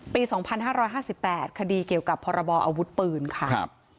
ปี๒๕๕๘คดีเกี่ยวกับพรบออาวุธปืนค่ะ